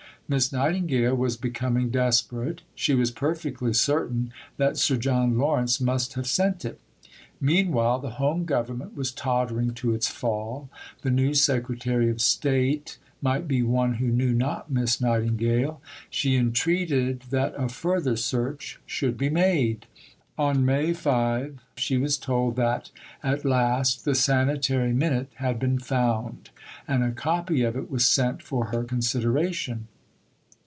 Miss Nightingale was becoming desperate. She was perfectly certain that Sir John Lawrence must have sent it. Meanwhile the Home Government was tottering to its fall; the new Secretary of State might be one who knew not Miss Nightingale. She entreated that a further search should be made. On May 5 she was told that "at last the Sanitary Minute had been found, and a copy of it was sent for her consideration.